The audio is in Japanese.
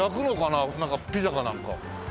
なんかピザかなんか。